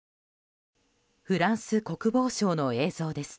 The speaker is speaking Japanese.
フランス国防省の映像です。